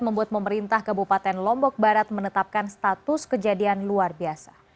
membuat pemerintah kabupaten lombok barat menetapkan status kejadian luar biasa